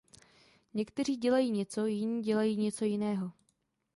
Někteří dělají něco, jiní dělají něco jiného.